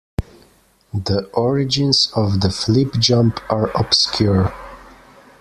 The origins of the flip jump are obscure.